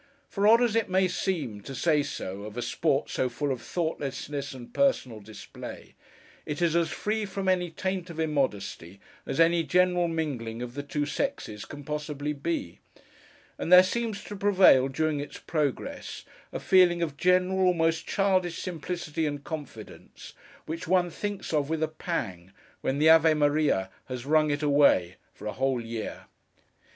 For, odd as it may seem to say so, of a sport so full of thoughtlessness and personal display, it is as free from any taint of immodesty as any general mingling of the two sexes can possibly be; and there seems to prevail, during its progress, a feeling of general, almost childish, simplicity and confidence, which one thinks of with a pang, when the Ave Maria has rung it away, for a whole year.